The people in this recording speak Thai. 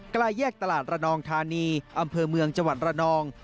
แยกตลาดระนองธานีอำเภอเมืองจังหวัดระนอง